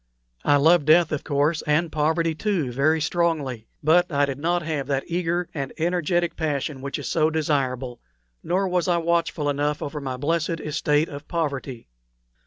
I loved death, of course, and poverty, too, very strongly; but I did not have that eager and energetic passion which is so desirable, nor was I watchful enough over my blessed estate of poverty.